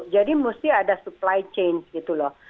jadi musti ada supply chain gitu loh